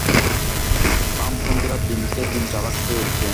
বামপন্থিরা দিনকে দিন চালাক হয়ে উঠছে।